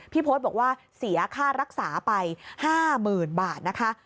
โพสต์บอกว่าเสียค่ารักษาไป๕๐๐๐๐บาทนะคะ